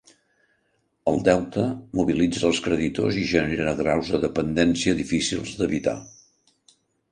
El deute mobilitza els creditors i genera graus de dependència difícils d'evitar.